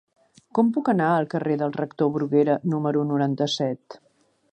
Com puc anar al carrer del Rector Bruguera número noranta-set?